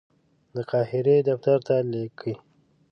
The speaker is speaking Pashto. د قاهرې دفتر ته لیکي.